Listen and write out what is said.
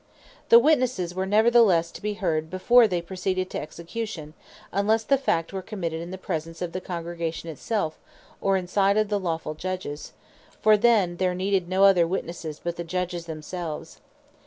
The Witnesses were neverthelesse to be heard before they proceeded to Execution, unlesse the Fact were committed in the presence of the Congregation it self, or in sight of the lawfull Judges; for then there needed no other Witnesses but the Judges themselves.